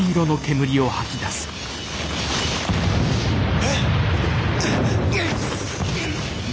えっ？